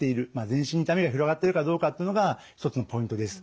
全身に痛みが広がってるかどうかっていうのが一つのポイントです。